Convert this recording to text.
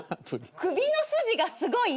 首の筋がすごい？